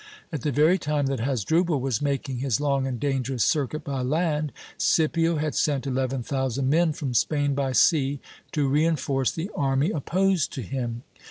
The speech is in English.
At the very time that Hasdrubal was making his long and dangerous circuit by land, Scipio had sent eleven thousand men from Spain by sea to reinforce the army opposed to him.